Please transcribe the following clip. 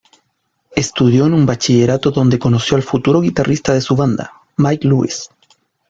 Estudió en un bachillerato donde conoció al futuro guitarrista de su banda, Mike Lewis.